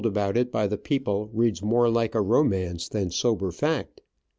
about it by the people reads more like ro mance than sober fact.